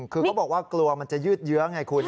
คือเขาบอกว่ากลัวมันจะยืดเยื้อไงคุณ